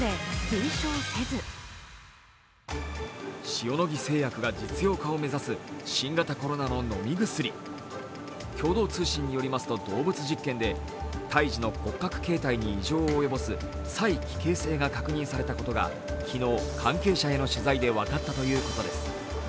塩野義製薬が実用化を目指す新型コロナの飲み薬共同通信によりますと動物実験で胎児の骨格形態に異常を及ぼす催奇形性を確認されたことが昨日、関係者への取材で分かったということです。